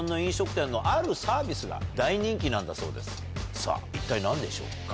さぁ一体何でしょうか？